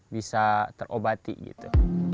bisa terobati gitu